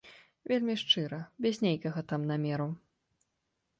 Вельмі шчыра, без нейкага там намеру.